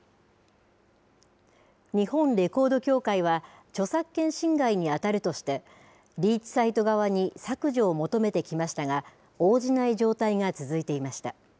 日本レコード協会は著作権侵害に当たるとしてリーチサイト側に削除を求めてきましたが応じない状態が続いていました。